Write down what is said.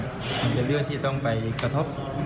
เป็นเรื่องที่ต้องไปกระทบ